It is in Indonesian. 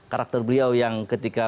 karakter beliau yang ketika